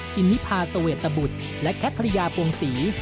นิพาสเวตบุตรและแคทริยาพวงศรี